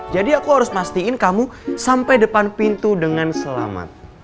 jadi aku harus mastiin kamu sampai depan pintu dengan selamat